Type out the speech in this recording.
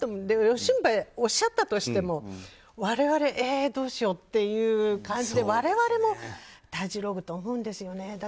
でもよしんばおっしゃったとしても我々どうしようという感じで我々もたじろぐと思うんですよね。